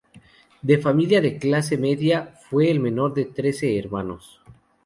De familia de clase media, fue el menor de trece hermanos.